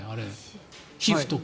皮膚とか。